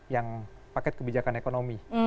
yang paket kebijakan ekonomi